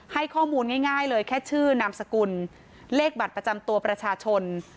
ให้ข้อมูลง่ายเลยแค่ชื่อนามสกุลเลขบัตรประจำตัวประชาชน